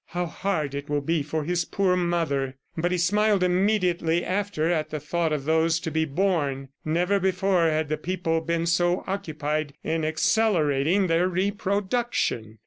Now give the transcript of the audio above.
"How hard it will be for his poor mother!" But he smiled immediately after at the thought of those to be born. Never before had the people been so occupied in accelerating their reproduction.